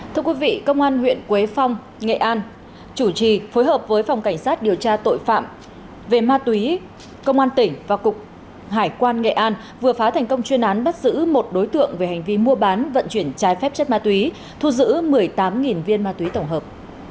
thưa quý vị công an huyện quế phong nghệ an chủ trì phối hợp với phòng cảnh sát điều tra tội phạm về ma túy công an tỉnh và cục hải quan nghệ an vừa phá thành công chuyên án bắt giữ một đối tượng về hành vi mua bán vận chuyển trái phép chất ma túy thu giữ một mươi tám viên ma túy tổng hợp